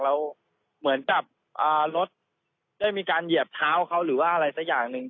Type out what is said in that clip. เหมือนกับรถได้มีการเหยียบเท้าเขาหรือว่าอะไรสักอย่างหนึ่ง